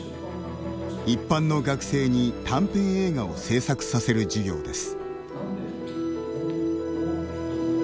一般の学生に短編映画を製作させる授業です。